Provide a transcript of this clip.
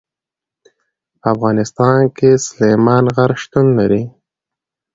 په افغانستان کې سلیمان غر شتون لري.